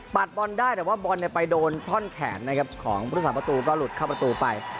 บอลได้แต่ว่าบอลไปโดนท่อนแขนนะครับของพุทธศาสประตูก็หลุดเข้าประตูไป